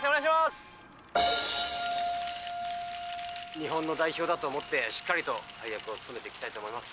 日本の代表だと思ってしっかりと大役を務めていきたいと思います。